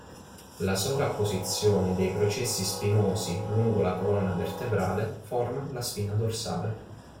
La sovrapposizione dei processi spinosi lungo la colonna vertebrale forma la spina dorsale.